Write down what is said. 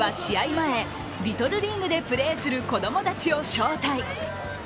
前、リトルリーグでプレーする子供たちを招待。